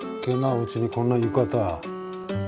うちにこんな浴衣。